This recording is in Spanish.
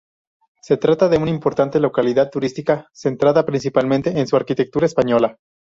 Se trata de una importante localidad turística, centrada principalmente en su arquitectura española.